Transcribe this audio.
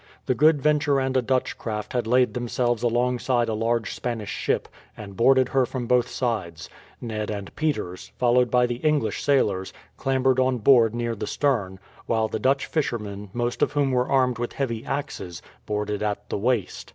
The Good Venture and a Dutch craft had laid themselves alongside a large Spanish ship, and boarded her from both sides. Ned and Peters, followed by the English sailors, clambered on board near the stern, while the Dutch fishermen, most of whom were armed with heavy axes, boarded at the waist.